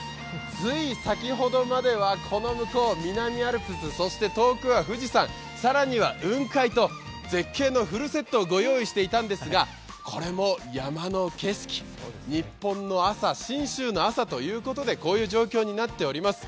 つい先ほどまでは、この先南アルプス、そして遠くは富士山、更には雲海と絶景のフルセットをご用意していたんですが、これも山の景色、日本の朝、信州の朝ということでこういう状況になっております。